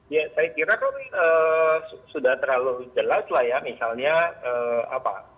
ya saya kira kan sudah terlalu jelas lah ya